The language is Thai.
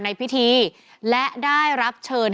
แฮปปี้เบิร์สเจทู